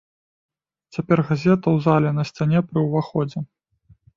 Цяпер газета ў зале на сцяне пры ўваходзе.